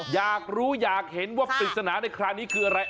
อยากรู้อยากเห็นว่าปริศนาในคราวนี้คืออะไร